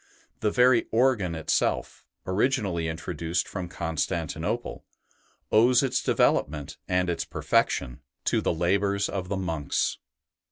The very organ itself, originally introduced from Constantinople, owes its development and its perfection to the labours of the monks.